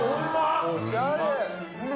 おしゃれ！